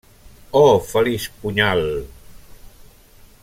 Oh, feliç punyal!